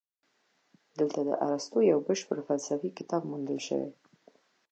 دلته د ارسطو یوه بشپړه فلسفي کتابچه موندل شوې